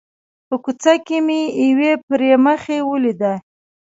په کوڅه کې مې یوې پري مخې ولیده.